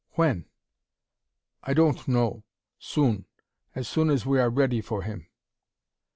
"When?" "I don't know. Soon. As soon as we are ready for him."